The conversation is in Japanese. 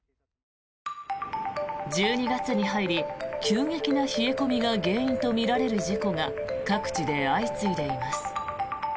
１２月に入り、急激な冷え込みが原因とみられる事故が各地で相次いでいます。